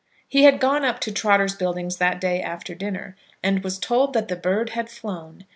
He had gone up to Trotter's Buildings that day after dinner, and was told that the bird had flown.